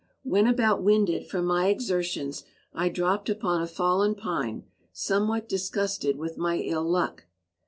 When about winded from my exertions, I dropped upon a fallen pine, somewhat disgusted with my ill luck.